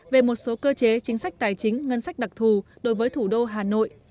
về một số cơ chế chính sách tài chính ngân sách đặc thù đối với thủ đô hà nội